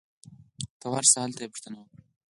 ته ورشه ! هلته یې پوښتنه وکړه